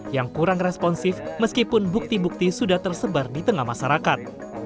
yang kurang responsif meskipun bukti bukti sudah tersebar di tengah masyarakat